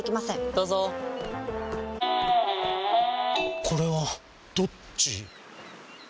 どうぞこれはどっち？